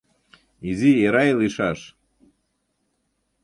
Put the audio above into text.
Изи Эрай лийшаш!